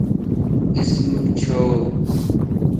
اسم ڇو؟